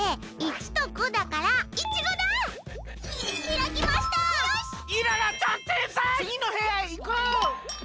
つぎのへやへいこう！